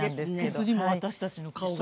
手すりも私たちの顔が。